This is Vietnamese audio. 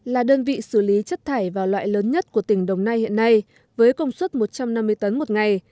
là đơn vị xử lý chất thải và loại lớn nhất của tỉnh đồng nai hiện nay với công suất một trăm năm mươi tấn một ngày